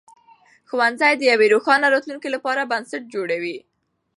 ښوونځي د یوې روښانه راتلونکې لپاره بنسټ جوړوي.